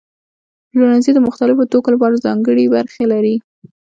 پلورنځي د مختلفو توکو لپاره ځانګړي برخې لري.